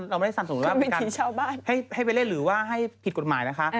เราไม่ได้สั่นสมมุติว่าให้ไปเล่นหรือว่าให้ผิดกฎหมายนะคะ